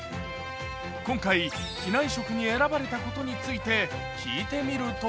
今回、機内食に選ばれたことについて聞いてみると